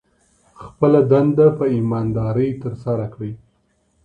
خپله دنده په ایماندارۍ ترسره کړئ.